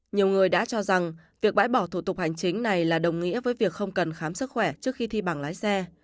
nhiều người đã cho rằng việc bãi bỏ thủ tục hành chính này là đồng nghĩa với việc không cần khám sức khỏe trước khi thi bằng lái xe